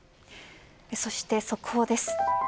そして速報です。